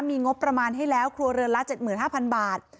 มีงบประมาณให้แล้วครัวเรือนละ๗๕๐๐บาท